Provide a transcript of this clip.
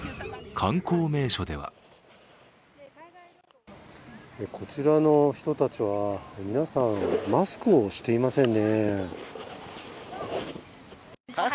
観光名所ではこちらの人たちは皆さん、マスクをしていませんね。